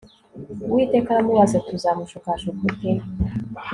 Uwiteka aramubaza ati Uzamushukashuka ute